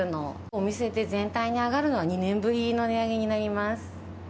お店全体で上がるのは２年ぶりの値上げになります。